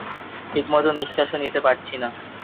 ঠিকমতো নিঃশ্বাসও নিতে পারছি না।